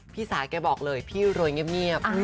พี่สาแกบอกเลยพี่โรยเงียบ